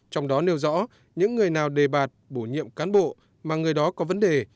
trong đó nêu rõ những người nào đề bạt bổ nhiệm cán bộ mà người đó có vấn đề